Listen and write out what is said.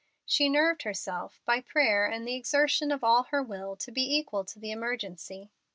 She nerved herself, by prayer and the exertion of all her will, to be equal to the emergency.